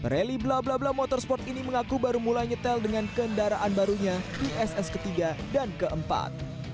rally bla bla bla motorsport ini mengaku baru mulai nyetel dengan kendaraan barunya di ss ketiga dan keempat